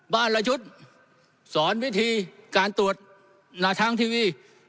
บ้านละชุดสอนวิธีการตรวจหนาทางทีวี